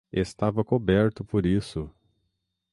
Estava coberto por isso.